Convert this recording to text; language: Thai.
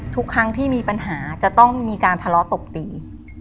ทุกครั้งที่มีปัญหาจะต้องมีการทะเลาะตบตี